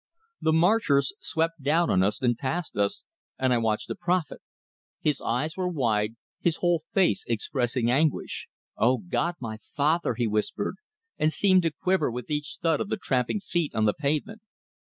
The marchers swept down on us, and past us, and I watched the prophet. His eyes were wide, his whole face expressing anguish. "Oh God, my Father!" he whispered, and seemed to quiver with each thud of the tramping feet on the pavement.